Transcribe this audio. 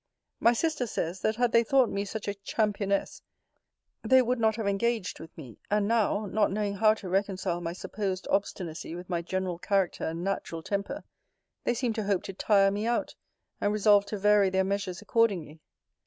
My sister says,* that had they thought me such a championess, they you not have engaged with me: and now, not knowing how to reconcile my supposed obstinacy with my general character and natural temper, they seem to hope to tire me out, and resolve to vary their measures accordingly.